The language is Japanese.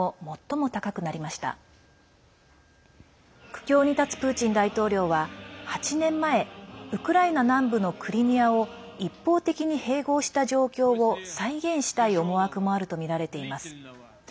苦境に立つプーチン大統領は８年前ウクライナ南部のクリミアを一方的に併合した状況を再現したい思惑もあるとみられています。